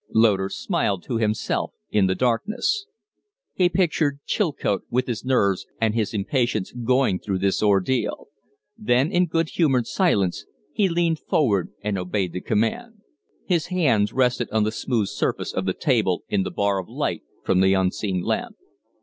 Loder smiled to himself in the darkness. He pictured Chilcote with his nerves and his impatience going through this ordeal; then in good humored silence he leaned forward and obeyed the command. His hands rested on the smooth surface of the table in the bar of light from the unseen lamp.